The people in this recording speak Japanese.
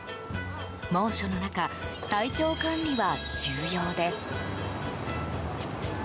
猛暑の中、体調管理は重要です。